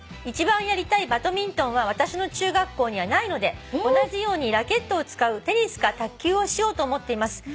「一番やりたいバドミントンは私の中学校にはないので同じようにラケットを使うテニスか卓球をしようと思っています」